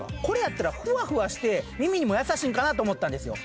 これやったらふわふわして耳にも優しいんかなと思った。